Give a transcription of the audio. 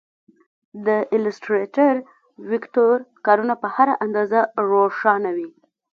د ایلیسټریټر ویکتور کارونه په هر اندازه روښانه وي.